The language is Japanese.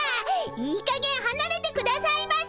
いいかげんはなれてくださいませ！